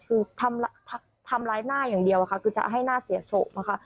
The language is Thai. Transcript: คือทำลายหน้าอย่างเดียวค่ะก็จะให้หน้าเสียโศ